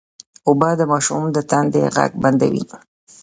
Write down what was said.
اوبه د ماشوم د تندې غږ بندوي